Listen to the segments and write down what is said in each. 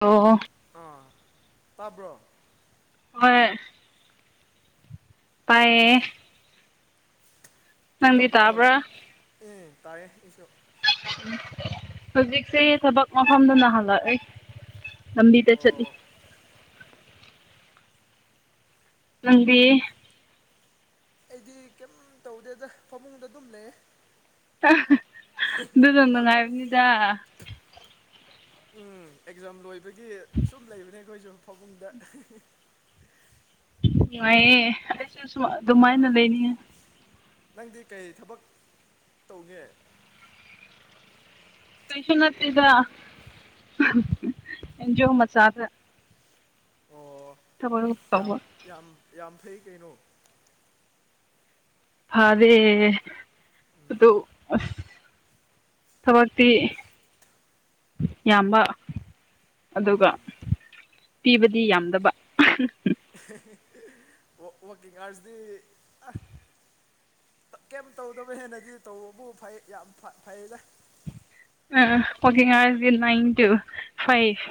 ꯑꯣ ꯑꯣ ꯑꯥ ꯇꯥꯕ꯭ꯔꯣ ꯍꯣꯏ ꯄꯥꯏꯌꯦ ꯀꯩꯇꯧꯒꯦ ꯇꯥꯕ꯭ꯔꯥ ꯍꯧꯖꯤ ꯎꯝ ꯇꯥꯌꯦ ꯑꯩꯁꯨ ꯍꯧꯖꯤꯛꯁꯦ ꯊꯕꯛ ꯃꯐꯝꯗ ꯅꯥꯍꯜꯂꯛꯑꯦ ꯂꯝꯕꯤꯗ ꯆꯠꯂꯤ ꯑꯣ ꯅꯪꯗꯤ ꯑꯩꯗꯤ ꯀꯩꯝ ꯇꯧꯗꯦꯗ ꯐꯃꯨꯡꯗ ꯑꯗꯨꯝ ꯂꯩ ꯑꯗꯨꯅ ꯅꯨꯡꯉꯥꯏꯕꯅꯤꯗ ꯎꯝ ꯑꯦꯛꯖꯥꯝ ꯂꯣꯏꯕꯒꯤ ꯁꯨꯝ ꯂꯩꯕꯅꯦ ꯑꯩꯈꯣꯏꯁꯨ ꯐꯥꯕꯨꯡꯗ ꯅꯨꯡꯉꯥꯏꯌꯦ ꯑꯩꯁꯨ ꯁꯨꯃꯥ ꯑꯥ ꯑꯗꯨꯃꯥꯏꯅ ꯂꯩꯅꯤꯡꯉꯤ ꯅꯪꯗꯤ ꯀꯩ ꯊꯕꯛ ꯇꯧꯒꯦ ꯀꯩꯁꯨ ꯅꯠꯇꯦꯗ ꯑꯦꯟꯖꯤꯌꯣ ꯃꯆꯥꯗ ꯑꯣ [unintelligible] ꯌꯥꯝ ꯌꯥꯝ ꯌꯥꯝ ꯐꯩ ꯀꯩꯅꯣ ꯐꯔꯦ ꯑꯗꯨ ꯊꯕꯛꯇꯤ ꯌꯥꯝꯕ ꯑꯗꯨꯒ ꯄꯤꯕꯗꯤ ꯌꯥꯝꯗꯕ ꯋꯥ ꯋꯀꯤꯡ ꯑꯥꯋꯥꯔꯁꯗꯤ ꯀꯩꯝ ꯇꯧꯗꯕ ꯍꯦꯟꯅꯗꯤ ꯇꯧꯕꯕꯨ ꯐꯩ ꯌꯥꯝ ꯐꯩꯗ ꯑꯣ ꯋꯀꯤꯡ ꯑꯋꯥ꯭ꯔꯁꯗꯤ ꯅꯥꯏꯟ ꯇꯨ ꯐꯥꯏꯚ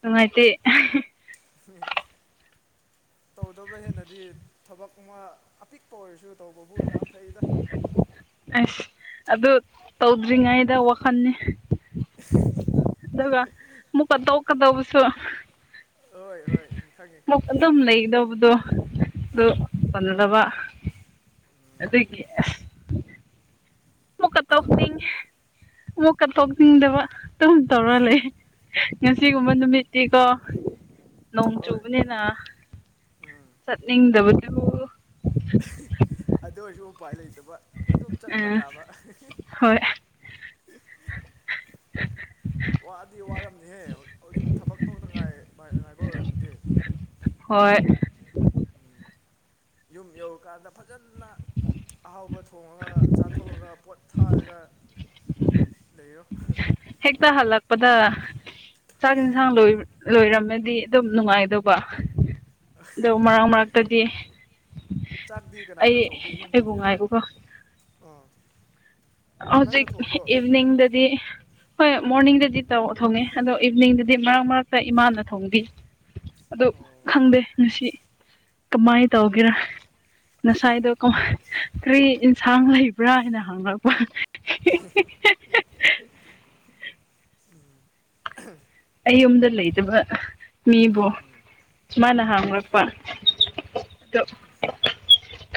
ꯅꯨꯡꯉꯥꯏꯇꯦ [unintelligible] ꯇꯧꯗꯕ ꯍꯦꯟꯅꯗꯤ ꯊꯕꯛ ꯑꯃ ꯑꯄꯤꯛꯄ ꯑꯣꯏꯔꯁꯨ ꯇꯧꯕꯕꯨ ꯌꯥꯝ ꯐꯩꯗ ꯑꯁ ꯑꯗꯨ ꯇꯧꯗ꯭ꯔꯤꯉꯩꯗ ꯋꯥꯈꯜꯅꯤ [unintelligible] ꯑꯗꯨꯒ ꯃꯨꯛꯀ ꯇꯣꯛꯀꯗꯧꯕꯁꯨ ꯍꯣꯏ ꯍꯣꯏ ꯈꯪꯉꯦ ꯑꯃꯨꯛ ꯈꯪꯉꯦ ꯑꯗꯨꯝ ꯂꯩꯒꯗꯧꯕꯗꯣ ꯑꯗꯨ ꯑꯥ ꯐꯖꯗꯕ ꯑꯗꯨꯒꯤ ꯑꯃꯨꯛꯀ ꯑꯥ ꯇꯣꯛꯅꯤꯡ ꯑꯃꯨꯛꯀ ꯇꯣꯛꯅꯤꯡꯗꯕ ꯑꯗꯨꯝ ꯇꯧꯔ ꯂꯩ ꯉꯁꯤꯒꯨꯝꯕ ꯅꯨꯃꯤꯠꯇꯤꯀꯣ ꯅꯣꯡ ꯍꯣꯏ ꯆꯨꯕꯅꯤꯅ ꯎꯝ ꯆꯠꯅꯤꯡꯗꯕꯗꯨ ꯑꯗꯨ ꯑꯣꯏꯔꯁꯨ ꯎꯄꯥꯏ ꯂꯩꯇꯕ ꯑꯗꯨꯝ ꯆꯠꯄ ꯑꯥ ꯇꯥꯕ ꯍꯣꯏ ꯋꯥꯗꯤ ꯋꯥꯔꯝꯅꯤꯍꯦ ꯍꯧꯖꯤꯛ ꯊꯕꯛ ꯇꯧꯗ ꯉꯥꯏ ꯉꯥꯏꯕ ꯑꯣꯏꯔꯝꯗꯤ ꯍꯣꯏ ꯌꯨꯝ ꯌꯧꯔꯀꯥꯟꯗ ꯐꯖꯅ ꯑꯍꯥꯎꯕ ꯊꯣꯡꯉꯒ ꯆꯥꯊꯣꯛꯑꯒ ꯄꯣꯠ ꯊꯥꯔꯒ ꯂꯩꯔꯣ [unintelligible] ꯍꯦꯛꯇ ꯍꯜꯂꯛꯄꯗ ꯆꯥꯛ ꯏꯟꯁꯥꯡꯗꯣ ꯂꯣꯏꯔꯝꯃꯗꯤ ꯑꯗꯨꯝ ꯅꯨꯡꯉꯥꯏꯗꯧꯕ ꯗꯣ ꯃꯔꯛ ꯃꯔꯛꯇꯗꯤ ꯆꯥꯛꯇꯤ ꯑꯩ ꯀꯅꯥꯅ ꯊꯣꯡꯒꯦ ꯑꯩꯕꯨ ꯌꯨꯝꯗꯗꯤ ꯉꯥꯏꯕꯀꯣ ꯑꯥ ꯅꯪꯅ ꯍꯧꯖꯤꯛ ꯊꯣꯡꯕ꯭ꯔꯣ ꯏꯚꯤꯅꯤꯡꯗꯗꯤ ꯍꯣꯏ ꯃꯣꯔꯅꯤꯡꯗꯗꯤ ꯇꯧ ꯊꯣꯡꯉꯦ ꯑꯗꯣ ꯏꯚꯤꯅꯤꯡꯗꯗꯤ ꯃꯔꯛ ꯃꯔꯛꯇ ꯏꯃꯥꯅ ꯊꯣꯡꯕꯤ ꯑꯗꯨ ꯑꯣ ꯈꯪꯗꯦ ꯉꯁꯤ ꯀꯃꯥꯏ ꯇꯧꯒꯦꯔꯥ ꯉꯁꯥꯏꯗꯣ ꯀꯣ ꯀ꯭ꯔꯤ ꯏꯟꯁꯥꯡ ꯂꯩꯕ꯭ꯔꯥ ꯍꯥꯏꯅ ꯍꯪꯂꯛꯄ [unintelligible] ꯑꯩꯌꯨꯝꯗ ꯂꯩꯇꯕ ꯃꯤꯕꯨ ꯁꯨꯃꯥꯏꯅ ꯍꯥꯡꯂꯛꯄ ꯑꯗꯣ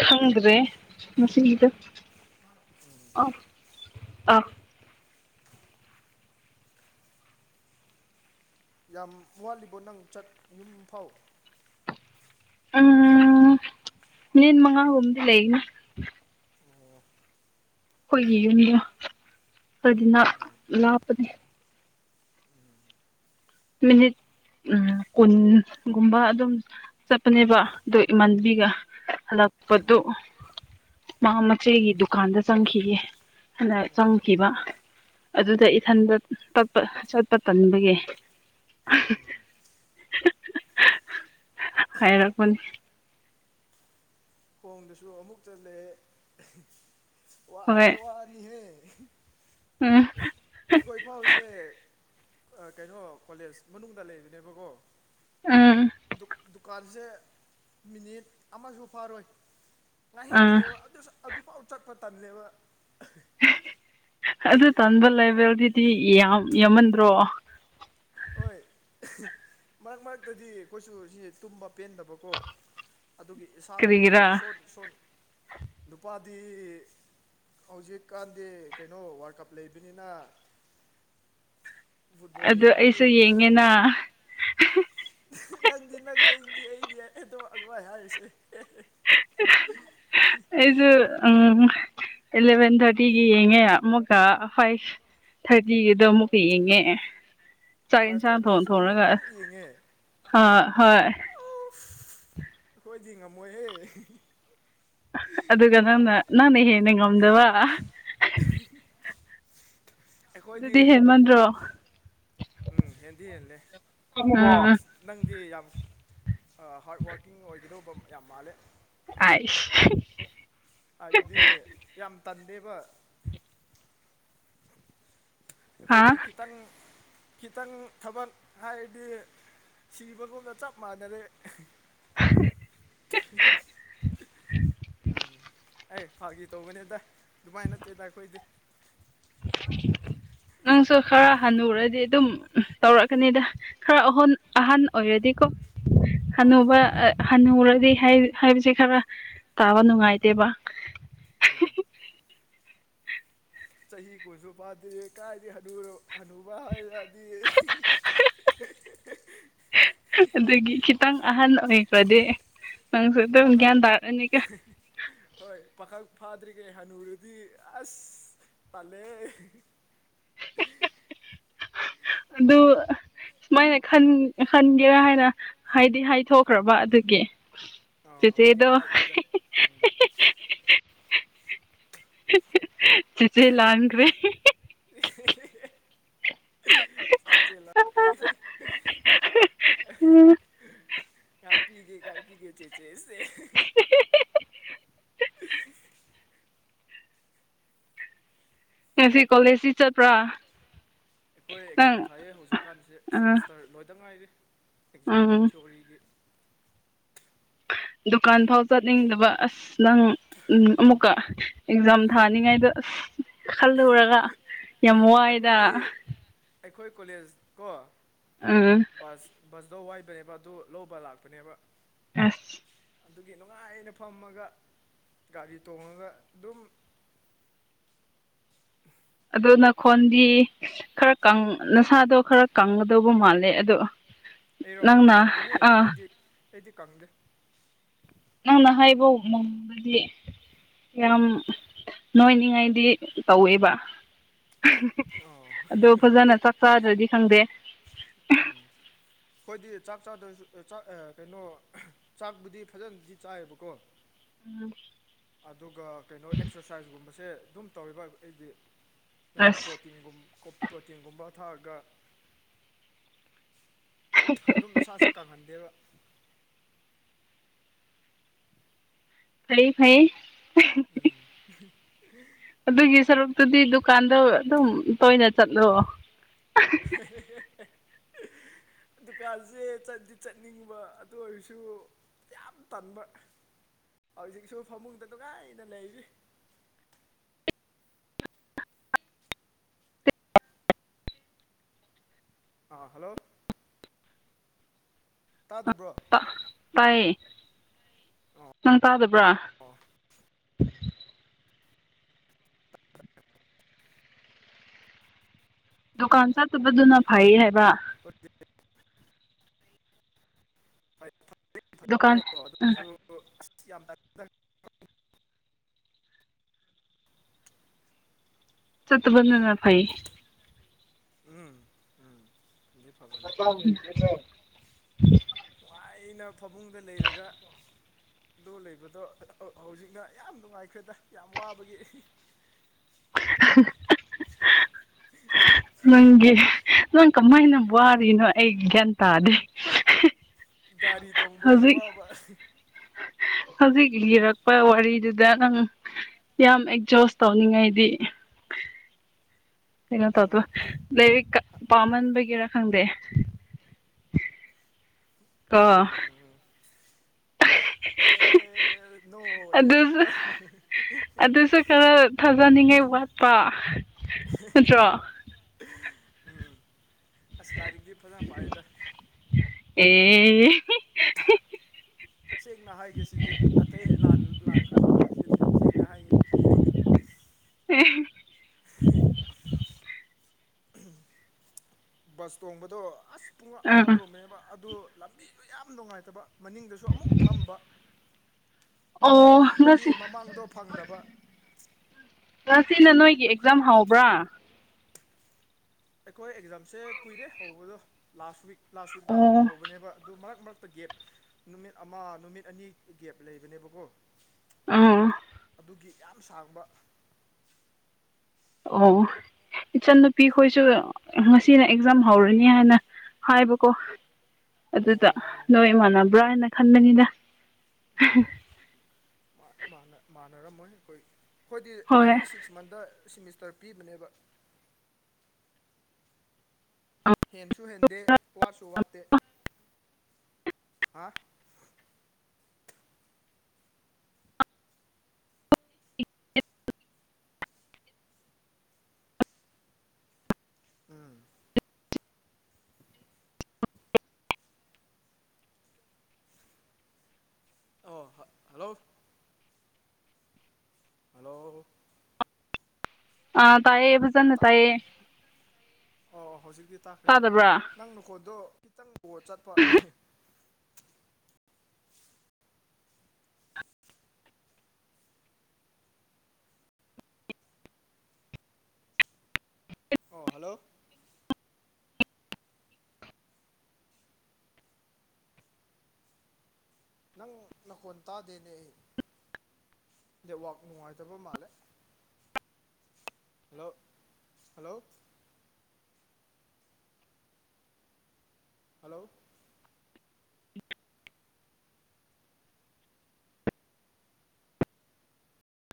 ꯈꯪꯗ꯭ꯔꯦ ꯉꯁꯤꯒꯤꯗꯣ ꯑ ꯑ ꯌꯥꯝ ꯋꯥꯠꯂꯤꯕꯣ ꯅꯪ ꯆꯠ ꯌꯨꯝ ꯐꯥꯎ ꯎꯝ ꯃꯤꯟ ꯃꯉꯥꯒꯨꯝꯗꯤ ꯂꯩꯒꯤꯅꯤ ꯑꯣ ꯑꯩꯈꯣꯏꯒꯤ ꯌꯨꯝꯗꯣ ꯈꯔꯗꯤ ꯅꯛ ꯂꯥꯞꯄꯅꯦ ꯃꯤꯅꯤꯠ ꯎꯝ ꯀꯨꯟꯒꯨꯝꯕ ꯑꯗꯨꯝ ꯆꯠꯄꯅꯦꯕ ꯑꯗꯨ ꯏꯃꯥꯟꯕꯤꯒ ꯍꯜꯂꯛꯄꯗꯨ ꯃꯥ ꯃꯆꯦꯒꯤ ꯗꯨꯀꯥꯟꯗ ꯆꯪꯈꯤꯒꯦ ꯍꯥꯏꯅ ꯑꯣ ꯆꯪꯈꯤꯕ ꯑꯗꯨꯗ ꯏꯊꯟꯗ ꯇꯞꯄ ꯆꯠꯄ ꯇꯟꯕꯒꯤ ꯍꯥꯏꯔꯛꯄꯅꯦ ꯈꯣꯡꯗꯁꯨ ꯑꯃꯨꯛ ꯆꯠꯂꯦ ꯍꯣꯏ ꯋꯥꯗꯤ ꯋꯥꯅꯤꯍꯦ ꯎꯝ ꯑꯩꯈꯣꯏ ꯐꯥꯎꯁꯦ ꯑ ꯀꯩꯅꯣ ꯀꯣꯂꯦꯖ ꯃꯅꯨꯡꯗ ꯂꯩꯕꯅꯦꯕꯀꯣ ꯎꯝ ꯗꯨꯛ ꯗꯨꯀꯥꯟꯁꯦ ꯃꯤꯅꯤꯠ ꯑꯃꯁꯨ ꯐꯥꯔꯣꯏ ꯑꯥ ꯉꯥꯏꯍꯥꯛꯀꯤꯅꯦꯕ ꯑꯗꯨꯁꯨ ꯑꯗꯨꯐꯥꯎ ꯆꯠꯄ ꯇꯜꯂꯦꯕ ꯑꯗꯨ ꯇꯟꯕ ꯂꯦꯚꯦꯜꯗꯤꯗꯤ ꯌꯥꯝ ꯌꯥꯝꯃꯟꯗ꯭ꯔꯣ ꯑꯣꯏ ꯃꯔꯛ ꯃꯔꯛꯇꯗꯤ ꯑꯩꯈꯣꯏꯁꯨ ꯁꯤꯁꯦ ꯇꯨꯝꯕ ꯄꯦꯟꯗꯕꯀꯣ ꯑꯗꯨꯒꯤ ꯏꯁꯥꯗꯣ ꯀꯔꯤꯒꯤꯔꯥ ꯌꯥꯝ ꯁꯣꯟ ꯁꯣꯟ ꯅꯨꯄꯥꯗꯤ ꯍꯧꯖꯤꯛꯀꯥꯟꯗꯤ ꯀꯩꯅꯣ ꯋꯥꯔꯜ ꯀꯞ ꯂꯩꯕꯅꯤꯅꯥ ꯐꯨꯠꯕꯣꯜ ꯑꯗꯨ ꯌꯦꯡꯕꯒꯤ ꯑꯩꯁꯨ ꯌꯦꯡꯉꯦꯅ ꯇꯨꯝꯗ꯭ꯔꯕ ꯅꯪꯗꯤ ꯅꯪꯗꯤ ꯑꯩꯗꯤ ꯑꯩꯗꯤ [unintelligible] ꯑꯒꯋꯥ ꯍꯥꯏꯔꯤꯁꯦ ꯑꯩꯁꯨ ꯑꯝ ꯏꯂꯚꯦꯟ ꯊꯥꯔꯇꯤꯒꯤ ꯌꯦꯡꯉꯦ ꯑꯃꯨꯛꯀ ꯍꯣꯏ ꯊꯥꯔꯇꯤꯒꯤꯗꯣ ꯑꯃꯨꯛꯀ ꯌꯦꯡꯉꯦ ꯆꯥꯛ ꯐꯥꯏꯚ ꯏꯟꯁꯥꯡ ꯊꯣꯡ ꯊꯥꯔꯇꯤꯁꯨ ꯑꯃꯨꯛ ꯊꯣꯡꯔꯒ ꯑꯃꯨꯛ ꯌꯦꯡꯉꯦ ꯍꯥ ꯍꯣꯏ ꯑꯩꯈꯣꯏꯗꯤ ꯉꯝꯃꯣꯏꯍꯦ ꯑꯗꯨꯒ ꯅꯪꯅ ꯅꯪꯅ ꯍꯦꯟꯅ ꯉꯝꯗꯕ [unintelligible] ꯑꯩꯈꯣꯏꯗꯤ ꯑꯗꯨꯗꯤ ꯍꯦꯟꯃꯟꯗ꯭ꯔꯣ ꯎꯝ ꯍꯦꯟꯗꯤ ꯍꯦꯜꯂꯦ ꯎꯝ ꯑꯁ ꯅꯪꯗꯤ ꯌꯥꯝ ꯍꯥꯔꯠ ꯋꯥꯔꯀꯤꯡ ꯑꯣꯏꯒꯗꯧꯕ ꯌꯥꯝ ꯃꯥꯜꯂꯦ ꯑꯥꯏꯁ ꯍꯥꯏꯕꯗꯤ ꯌꯥꯝ ꯇꯟꯗꯦꯕ ꯍꯥ ꯑꯩꯈꯣꯏꯗꯤ ꯈꯤꯇꯪ ꯈꯤꯇꯪ ꯊꯕꯛ ꯍꯥꯏꯔꯗꯤ ꯁꯤꯕꯒꯨꯝꯅ ꯆꯞ ꯃꯥꯟꯅꯔꯦ [unintelligible] [unintelligible] ꯎꯝ ꯑꯩ ꯐꯥꯒꯤ ꯇꯧꯕꯅꯦꯗ ꯗꯨꯃꯥꯏ ꯅꯠꯇꯦꯗ ꯑꯩꯈꯣꯏꯗꯤ ꯅꯪꯁꯨ ꯈꯔꯥ ꯍꯅꯨꯔꯗꯤ ꯑꯗꯨꯝ ꯇꯧꯔꯛꯀꯅꯤꯗ ꯈꯔ ꯑꯍꯣꯟ ꯑꯍꯟ ꯑꯣꯏꯔꯗꯤꯀꯣ ꯑꯥ ꯍꯅꯨꯕꯥ ꯍꯅꯨꯔꯗꯤ ꯍꯥꯏꯕ ꯍꯥꯏꯕꯁꯦ ꯈꯔ ꯇꯥꯕ ꯅꯨꯡꯉꯥꯏꯇꯦꯕ ꯎꯝ ꯆꯍꯤ ꯀꯨꯟꯁꯨ ꯐꯥꯗꯦ ꯀꯥꯏꯗꯩꯩ ꯍꯅꯨꯔ ꯍꯅꯨ ꯕ ꯍꯥꯏꯔꯛꯑꯗꯤ ꯑꯗꯨꯒꯤ ꯈꯤꯇꯪ ꯑꯍꯟ ꯑꯣꯏꯈ꯭ꯔꯥꯗꯤ ꯅꯪꯁꯨ ꯎꯝ ꯑꯗꯨꯝ ꯄꯥꯈꯪ ꯒ꯭ꯌꯥꯟ ꯇꯥꯔꯛꯑꯅꯤ ꯀꯣ ꯍꯣꯏ ꯄꯥꯈꯛ ꯐꯥꯗ꯭ꯔꯤꯒꯦ ꯍꯅꯨꯔꯗꯤ ꯑꯁ ꯇꯜꯂꯦꯍꯦ [unintelligible] ꯑꯗꯨ ꯁꯨꯃꯥꯏꯅ ꯈꯟ ꯈꯟꯒꯦꯔ ꯍꯥꯏꯅ ꯍꯥꯏꯗꯤ ꯍꯥꯏꯊꯣꯛꯈ꯭ꯔꯕ ꯑꯗꯨꯒꯤ ꯑ ꯑ ꯀꯦ ꯆꯦꯆꯦꯗꯣ ꯀꯥꯏꯗꯦꯗ ꯎꯝ ꯆꯤꯆꯦ ꯂꯥꯟꯈ꯭ꯔꯦ ꯆꯤꯆꯦ ꯂꯥꯟꯈ꯭ꯔꯦ ꯎꯝ ꯉꯥꯠꯄꯤꯒꯦ ꯉꯥꯠꯄꯤꯒꯦ ꯆꯦꯆꯦ ꯁꯦ ꯉꯁꯤ ꯀꯣꯂꯦꯖꯖꯤ ꯆꯠꯄ꯭ꯔꯥ ꯑꯩꯈꯣꯏ ꯑꯦꯛꯖꯥꯝ ꯅꯪ ꯊꯥꯏꯌꯦ ꯍꯧꯖꯤꯛꯀꯥꯟꯁꯦ ꯑ ꯁꯤꯃꯤꯁꯇꯔ ꯂꯣꯏꯗ ꯉꯥꯏꯔꯤ ꯑꯦꯛꯖꯥꯝ ꯎꯝ ꯊꯤꯑꯣꯔꯤꯒꯤ ꯗꯨꯀꯥꯟ ꯐꯥꯎ ꯆꯠꯅꯤꯡꯗꯕ ꯑꯁ ꯅꯪ ꯎꯝ ꯑꯃꯨꯛꯀ ꯑꯦꯛꯖꯥꯝ ꯊꯥꯅꯤꯡꯉꯥꯏꯗꯣ ꯑꯁ ꯈꯜꯂꯨꯔꯒ ꯌꯥꯝ ꯋꯥꯏꯗ ꯑꯩꯈꯣꯏꯗꯤ ꯑꯩꯈꯣꯏ ꯀꯣꯂꯦꯖ ꯀꯣ ꯎꯝ ꯕꯁ ꯕꯁꯇꯣ ꯋꯥꯏꯕꯅꯦꯕ ꯑꯗꯨ ꯂꯧꯕ ꯂꯥꯛꯄꯅꯦꯕ ꯑꯁ ꯑꯗꯨꯒꯤ ꯅꯨꯡꯉꯥꯏꯅ ꯐꯝꯃꯒ ꯒꯥꯔꯤ ꯇꯣꯡꯉꯒ ꯑꯗꯨꯝ [unintelligible] ꯑꯗꯨ ꯅꯈꯣꯟꯗꯤ ꯈꯔ ꯀꯪ ꯅꯁꯥꯗꯣ ꯈꯔ ꯀꯪꯒꯗꯧꯕ ꯃꯥꯜꯂꯦ ꯑꯗꯨ ꯑꯩꯔꯣ ꯀꯪꯗꯦꯍꯦ ꯑꯩꯗꯤ ꯑꯩꯗꯤ ꯀꯪꯗꯦ ꯅꯪꯅ ꯍꯥꯏꯕ ꯃꯝꯃꯥꯗꯤ ꯌꯥꯝ ꯎꯝ ꯅꯣꯏꯅꯤꯉꯥꯏꯗꯤ ꯇꯧꯋꯦꯕ ꯑꯣ ꯑꯗꯣ ꯐꯖꯅ ꯆꯥꯛ ꯆꯥꯗ꯭ꯔꯗꯤ ꯈꯪꯗꯦ ꯎꯝ ꯑꯩꯈꯣꯏꯗꯤ ꯆꯥꯛ ꯆꯥꯗ꯭ꯔꯁꯨ ꯆꯥꯛ ꯑ ꯀꯩꯅꯣ ꯆꯥꯛꯕꯨꯗꯤ ꯐꯖꯅꯗꯤ ꯆꯥꯏꯌꯦꯕꯀꯣ ꯎꯝ ꯑꯗꯨꯒ ꯀꯩꯅꯣ ꯑꯦꯛꯁꯔꯁꯥꯏꯁꯀꯨꯝꯕꯁꯦ ꯑꯗꯨꯝ ꯇꯧꯋꯦꯕ ꯑꯩꯗꯤ ꯑꯗꯨꯒ ꯑꯁ ꯄ꯭ꯔꯣꯇꯤꯟꯒꯨꯝ ꯀꯣꯞ ꯄ꯭ꯔꯣꯇꯤꯟꯒꯨꯝꯕ ꯊꯥꯛꯑꯒ ꯑꯗꯨꯝ ꯏꯁꯥꯁꯦ ꯀꯪꯍꯟꯗꯦꯕ ꯐꯩ ꯐꯩ [unintelligible] ꯑꯗꯨꯒꯤ ꯁꯔꯨꯛꯇꯨꯗꯤ ꯗꯨꯀꯥꯟꯗꯣ ꯑꯗꯨꯝ ꯇꯣꯏꯅ ꯆꯠꯂꯣ [unintelligible] ꯗꯨꯀꯥꯟꯁꯦ ꯆꯠꯗꯤ ꯆꯠꯅꯤꯡꯕ ꯑꯗꯨ ꯑꯣꯏꯔꯁꯨ ꯌꯥꯝ ꯇꯟꯕ ꯍꯧꯖꯤꯛꯁꯨ ꯐꯃꯨꯡꯗ ꯅꯨꯡꯉꯥꯏꯅ ꯂꯩꯔꯤ ꯑꯥ ꯍꯜꯂꯣ ꯇꯥꯗꯕ꯭ꯔꯣ ꯇꯥꯏꯌꯦ ꯅꯪ ꯇꯥꯗꯕ꯭ꯔꯥ ꯑꯣ ꯗꯨꯀꯥꯟ ꯆꯠꯇꯕꯗꯨꯅ ꯐꯩ ꯍꯥꯏꯕ [unintelligible] [unintelligible] ꯗꯨꯀꯥꯟ ꯑꯗꯨꯑꯣꯏꯔꯁꯨ ꯑꯁ ꯌꯥꯝꯅ ꯆꯠꯇꯥꯕꯅꯅ ꯐꯩ ꯎꯝ ꯎꯝ ꯑꯗꯨꯗꯤ ꯐꯕꯅꯦ [unintelligible] ꯅꯨꯡꯉꯥꯏꯅ ꯐꯃꯨꯡꯗ ꯂꯩꯔꯒ ꯑꯗꯨ ꯂꯩꯕꯗꯣ ꯍꯧ ꯍꯧꯖꯤꯛꯅ ꯌꯥꯝ ꯅꯨꯡꯉꯥꯏꯈ꯭ꯔꯦꯗ ꯌꯥꯝ ꯋꯥꯕꯒꯤ [unintelligible] [unintelligible] ꯅꯪꯒꯤ ꯅꯪ ꯀꯃꯥꯏꯅ ꯋꯥꯔꯤꯅꯣ ꯑꯩ ꯒ꯭ꯌꯥꯟ ꯇꯥꯗꯦ ꯒꯥꯔꯤ ꯇꯣꯡꯕꯒꯤ ꯍꯧꯖꯤꯛ ꯋꯥꯕ [unintelligible] ꯍꯧꯖꯤꯛ ꯏꯔꯛꯄ ꯋꯥꯔꯤꯗꯨꯗ ꯅꯪ ꯌꯥꯝ ꯑꯦꯛꯖꯣꯁ ꯇꯧꯅꯤꯡꯉꯥꯏꯗꯤ ꯀꯩꯅꯣ ꯇꯧꯗꯣ ꯎꯝ ꯂꯥꯏꯔꯤꯛꯀ ꯄꯥꯃꯟꯕꯒꯤꯔꯥ ꯈꯪꯗꯦ ꯑꯥ ꯎꯝ ꯌꯦ [unintelligible] ꯑꯗꯨꯁꯨ ꯑꯗꯨꯁꯨ [unintelligible] ꯈꯔ ꯊꯥꯖꯅꯤꯡꯉꯥꯏ ꯋꯥꯠꯄ ꯅꯠꯇ꯭ꯔꯣ ꯎꯝ ꯑꯁ ꯂꯥꯏꯔꯤꯛꯇꯤ ꯐꯖꯅ ꯄꯥꯏꯗ ꯑꯦ ꯁꯦꯡꯅ ꯍꯥꯏꯒꯦ ꯁꯤꯗꯤ ꯑꯇꯩ ꯂꯥꯟ ꯂꯥꯟꯈ꯭ꯔꯁꯨ ꯍꯣꯏ ꯁꯤꯗꯤ ꯁꯦꯡꯅ ꯍꯥꯏꯒꯦ [inaudible] ꯕꯁ ꯇꯣꯡꯕꯗꯣ ꯑꯁ ꯄꯨꯡ ꯑꯥ ꯑꯃ ꯇꯣꯝꯑꯦꯕ ꯑꯗꯨ ꯂꯝꯕꯤꯗꯣ ꯌꯥꯝ ꯅꯨꯡꯉꯥꯏꯇꯕ ꯃꯅꯤꯡꯗꯁꯨ ꯑꯃꯨꯛ ꯐꯝꯕ ꯑꯣ ꯇꯟꯃꯟꯕꯒꯤ ꯉꯁꯤ ꯃꯃꯥꯡꯗꯣ ꯐꯪꯗꯕ ꯉꯁꯤꯅ ꯅꯣꯏꯒꯤ ꯑꯦꯛꯖꯥꯝ ꯍꯧꯕ꯭ꯔꯥ ꯑꯩꯈꯣꯏ ꯑꯦꯛꯖꯥꯝꯁꯦ ꯀꯨꯏꯔꯦ ꯍꯧꯕꯗꯣ ꯂꯥꯁ ꯋꯤꯛ ꯂꯥꯁ ꯋꯤꯛꯇ ꯑꯣ ꯍꯧꯕꯅꯦꯕ ꯑꯗꯨ ꯃꯔꯛ ꯃꯔꯛꯇ ꯒꯦꯞ ꯅꯨꯃꯤꯠ ꯑꯃ ꯅꯨꯃꯤꯠ ꯑꯅꯤ ꯒꯦꯞ ꯂꯩꯕꯅꯦꯕꯀꯣ ꯎꯝ ꯑꯗꯨꯒꯤ ꯌꯥꯝ ꯁꯥꯡꯕ ꯑꯣ ꯏꯆꯟꯅꯨꯄꯤꯈꯣꯏꯁꯨ ꯉꯁꯤꯅ ꯑꯦꯛꯖꯥꯝ ꯍꯧꯔꯤꯅꯦ ꯍꯥꯏꯅ ꯍꯥꯏꯕꯀꯣ ꯑꯗꯨꯗ ꯑꯣ ꯅꯣꯏ ꯏꯃꯥꯟꯅꯕ꯭ꯔꯥ ꯍꯥꯏꯅ ꯈꯟꯕꯅꯤꯗ ꯎꯝ ꯃꯥꯟꯅꯔꯝꯃꯣꯏ ꯑꯩꯈꯣꯏ ꯑꯩꯈꯣꯏꯗꯤ ꯍꯣꯏ ꯑꯦꯚ꯭ꯔꯤ ꯁꯤꯛꯁ ꯃꯟꯗ ꯁꯤꯃꯤꯁꯇꯔ ꯄꯤꯕꯅꯦꯕ [inaudible] ꯍꯦꯟꯁꯨ ꯍꯦꯟꯗꯦ ꯋꯥꯠꯁꯨ ꯋꯥꯠꯇꯦ ꯍꯥ ꯎꯝ ꯑꯣ ꯍꫭꯏ ꯍꯜꯂꯣ ꯍꯜꯂꯣ! ꯑ ꯇꯥꯏꯌꯦ ꯐꯖꯟꯅ ꯇꯥ ꯇꯥꯏꯌꯦ ꯑꯣ ꯍꯧꯖꯤꯛꯇꯤ ꯇꯥꯈ꯭ꯔꯦ ꯇꯥꯗꯕ꯭ꯔꯥ ꯅꯪ ꯅꯈꯣꯟꯗꯣ ꯈꯤꯇꯪ ꯑꫭ ꯆꯠꯄ ꯑꯣ ꯍꯜꯂꯣ! ꯅꯪ ꯅꯈꯣꯟ ꯇꯥꯗꯦꯅꯦ ꯑꯩ ꯅꯦꯠꯋꯥꯛ ꯅꯨꯡꯉꯥꯏꯇꯕ ꯃꯥꯜꯂꯦ ꯍꯜꯂꯣ! ꯍꯜꯂꯣ! ꯍꯜꯂꯣ!